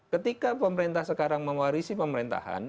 ketika pemerintah sekarang mewarisi pemerintahan